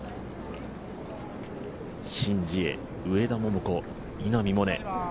シン・ジエ、上田桃子、稲見萌寧。